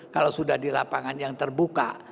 kalau sudah di lapangan yang terbuka